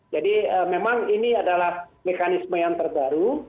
jadi memang ini adalah mekanisme yang terbaru